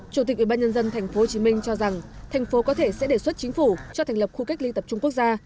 chủ tịch ubnd tp hcm cho rằng thành phố có thể sẽ đề xuất chính phủ cho thành lập khu cách ly tập trung quốc gia